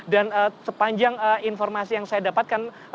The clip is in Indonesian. dan sepanjang informasi yang saya dapatkan